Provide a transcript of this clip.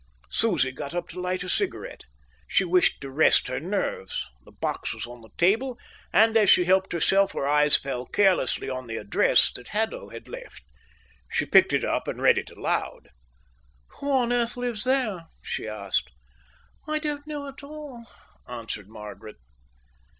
Susie got up to light a cigarette. She wished to rest her nerves. The box was on the table and, as she helped herself, her eyes fell carelessly on the address that Haddo had left. She picked it up and read it aloud. "Who on earth lives there?" she asked. "I don't know at all," answered Margaret.